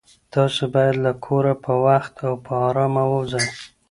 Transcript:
تاسو باید له کوره په وخت او په ارامه ووځئ.